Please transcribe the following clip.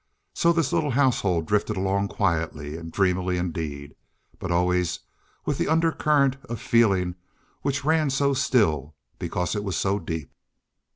So this little household drifted along quietly and dreamily indeed, but always with the undercurrent of feeling which ran so still because it was so deep.